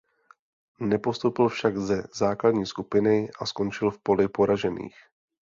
Nepostoupil však ze základní skupiny a skončil v poli poražených.